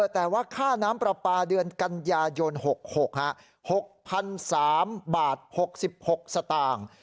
แต่ว่าค่าน้ำปลาปลาเดือนกันยายน๖๖๓บาท๖๖สตางค์